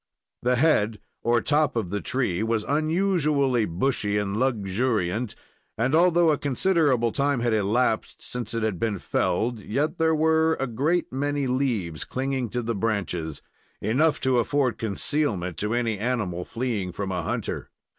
The head or top of the tree was unusually bushy and luxuriant, and, although a considerable time had elapsed since it had been felled, yet there were a great many leaves clinging to the branches not enough to afford concealment to any animal fleeing from a hunter.